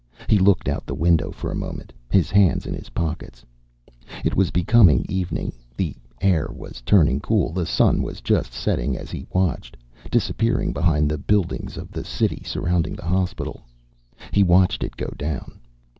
He looked out the window for a moment, his hands in his pockets. It was becoming evening, the air was turning cool. The sun was just setting as he watched, disappearing behind the buildings of the city surrounding the hospital. He watched it go down.